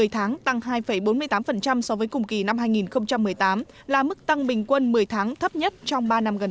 một mươi tháng tăng hai bốn mươi tám so với cùng kỳ năm hai nghìn một mươi tám là mức tăng bình quân một mươi tháng thấp nhất trong ba năm gần